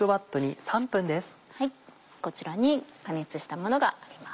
こちらに加熱したものがあります。